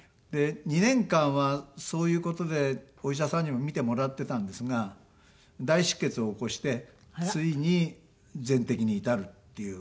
２年間はそういう事でお医者さんにも診てもらってたんですが大出血を起こしてついに全摘に至るっていう。